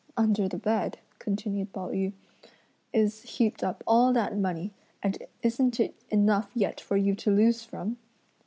"Under the bed," continued Pao yü, "is heaped up all that money, and isn't it enough yet for you to lose from?"